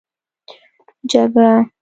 جگړه